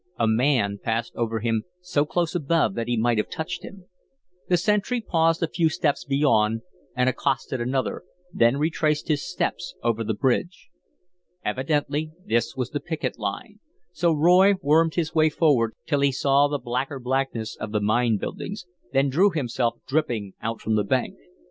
A man passed over him so close above that he might have touched him. The sentry paused a few paces beyond and accosted another, then retraced his steps over the bridge. Evidently this was the picket line, so Roy wormed his way forward till he saw the blacker blackness of the mine buildings, then drew himself dripping out from the bank.